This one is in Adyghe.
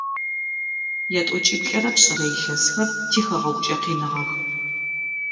Ятӏокӏиплӏырэ пшӏырэ илъэсхэр тихэгъэгукӏэ къиныгъэх.